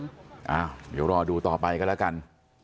เดี๋ยวรอดูต่อไปกันแล้วกัน